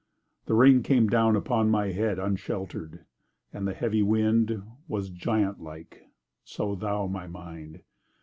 The rain came down upon my head Unshelter'd—and the heavy wind Was giantlike—so thou, my mind!